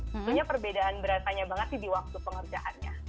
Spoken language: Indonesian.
maksudnya perbedaan beratannya banget sih di waktu pengerjaannya